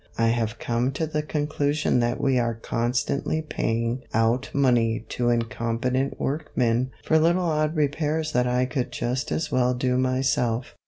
I have come to the conclusion that we are constantly paying out money to incompetent work men for little odd repairs that I could just as well do myself.